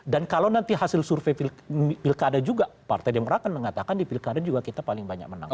dan kalau nanti hasil survei pilkada juga partai demokrat akan mengatakan di pilkada juga kita paling banyak menang